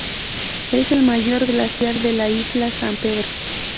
Es el mayor glaciar de la isla San Pedro.